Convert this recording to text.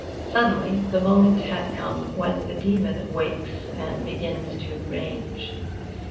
Suddenly the moment had come when the dæmon wakes and begins to range.